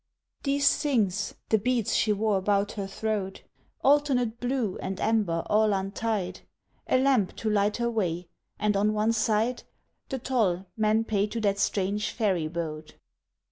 These things the beads she wore about her throat Alternate blue and amber all untied, A lamp to light her way, and on one side The toll men pay to that strange ferry boat.